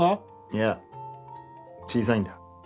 いや小さいんだ。